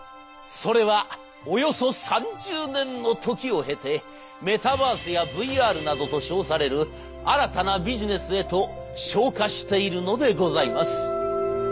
それはおよそ３０年の時を経て「メタバース」や「ＶＲ」などと称される新たなビジネスへと昇華しているのでございます。